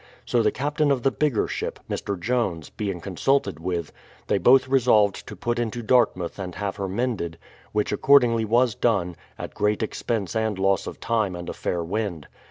So the captain of the bigger ship, Mr. Jones, being consulted with, they both resolved to put into Dart mouth and have her mended, which accordingly was done, at great expense and loss of time and a fair wind.